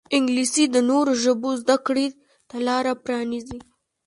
انګلیسي د نورو ژبو زده کړې ته لاره پرانیزي